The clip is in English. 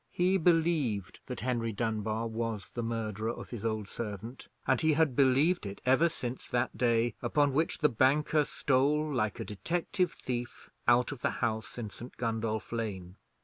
He believed that Henry Dunbar was the murderer of his old servant; and he had believed it ever since that day upon which the banker stole, like a detected thief, out of the house in St. Gundolph Lane.